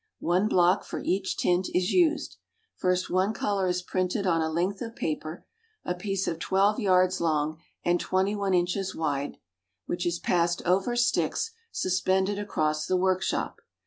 One block for each tint is used. First one colour is printed on a length of paper, a piece of 12 yards long and 21 inches wide, which is passed over sticks suspended across the workshop.